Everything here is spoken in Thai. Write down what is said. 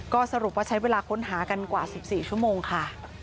ก็สรุปว่าใช้เวลาค้นหากันกว่า๑๔ชั่วโมงค่ะ